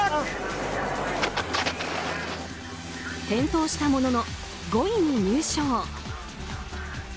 転倒したものの５位に入賞。